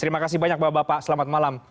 terima kasih banyak bapak bapak selamat malam